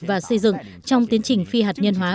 và xây dựng trong tiến trình phi hạt nhân hóa